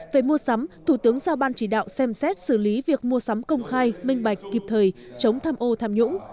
về mua sắm thủ tướng giao ban chỉ đạo xem xét xử lý việc mua sắm công khai minh bạch kịp thời chống tham ô tham nhũng